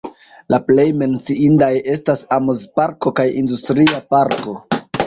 La plej menciindaj estas amuzparko kaj industria parko.